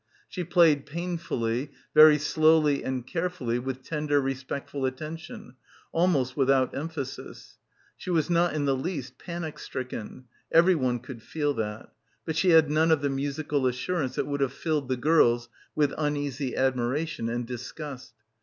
She played pain fully, very slowly and carefully, with tender respectful attention, almost without emphasis. She was not in the least panic stricken; anyone could feel that; but she had none of the musical assurance that would have filled the girls with uneasy admiration and disgust.